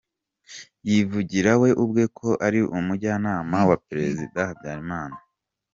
Yivugiraga we ubwe ko ari umujyanama wa perezida Habyarimana.